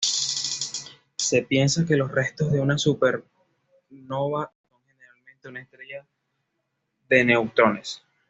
Se piensa que los restos de una supernova son generalmente una estrella de neutrones.